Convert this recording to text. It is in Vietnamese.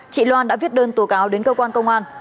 chị loan đã viết đơn tố cáo đến cơ quan công an